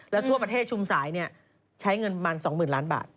แล้วทั่วประเทศชุมสายนี่ใช้เงินประมาณสองหมื่นล้านบาท